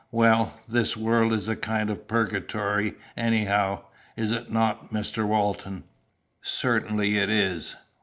Well, this world is a kind of purgatory anyhow is it not, Mr. Walton?" "Certainly it is.